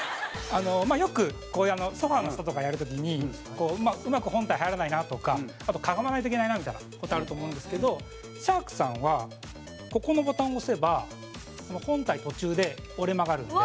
よく、こういうソファの下とかやる時にうまく本体入らないなとかかがまないといけないなみたいな事あると思うんですけどシャークさんはここのボタンを押せば本体途中で折れ曲がるんで。